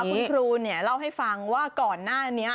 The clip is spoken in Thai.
เค้าบอกว่าคุณครูเนี่ยเล่าให้ฟังว่าก่อนหน้านี้